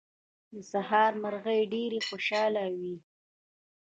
د سهار مرغۍ ډېرې خوشاله وې.